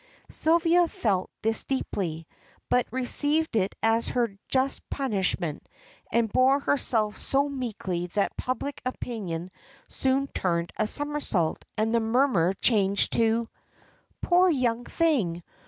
Sylvia felt this deeply, but received it as her just punishment, and bore herself so meekly that public opinion soon turned a somersault, and the murmur changed to "Poor young thing!